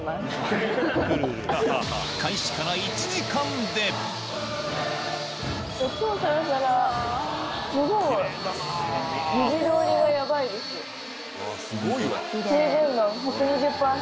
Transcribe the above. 開始から１時間ですごい。